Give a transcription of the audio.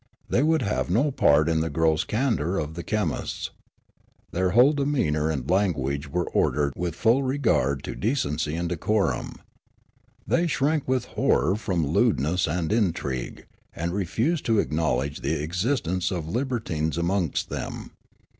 They would have no part in the gross candour of the chemists. Their whole demeanour and language were ordered with full regard to decency and decorum. They shrank with horror from lewdness and intrigue, and refused to acknowledge the existence of libertines amongst them.